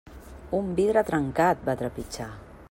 Un vidre trencat, va trepitjar.